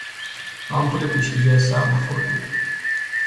آمپول پیشگیری از سرماخوردگی